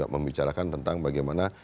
membicarakan tentang bagaimana